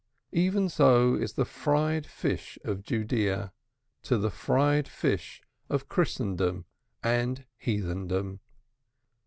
Even so is the fried fish of Judaea to the fried fish of Christendom and Heathendom.